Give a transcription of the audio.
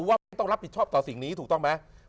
ว่าเป็นต้องรับผิดชอบต่อสิ่งนี้ถูกต้องไหม